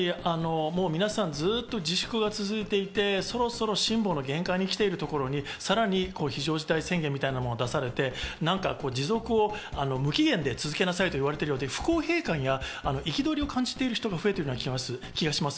皆さんずっと自粛が続いていて、そろそろ辛抱の限界に来ているところにさらに非常事態宣言みたいなものを出されて、持続を無期限で続けなさいと言われているみたいで不公平や憤りを感じている人が増えてる気がします。